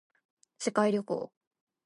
世界旅行